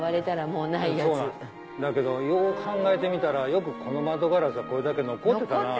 そうなんですだけどよう考えてみたらよくこの窓ガラスがこれだけ残ってたなと。